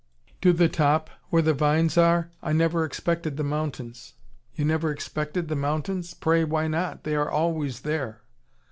"To the top where the vines are? I never expected the mountains." "You never expected the mountains? Pray, why not? They are always there!"